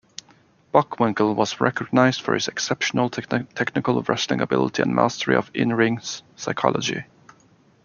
Bockwinkel was recognised for his exceptional technical wrestling ability and mastery of in-ring psychology.